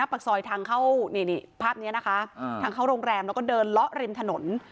แบบทางเขาโรงแรมแล้วก็เดินละลิมถนน